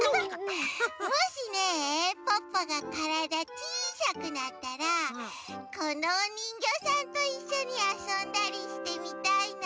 もしねポッポがからだちいさくなったらこのおにんぎょうさんといっしょにあそんだりしてみたいな。